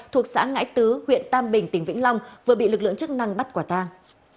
thuộc xã ngãi tứ huyện tam bình tỉnh vĩnh long vừa bị lực lượng chức năng bắt quả tang